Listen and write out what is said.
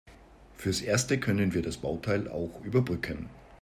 Fürs Erste können wir das Bauteil auch überbrücken.